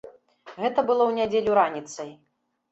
Гэта было ў нядзелю раніцай.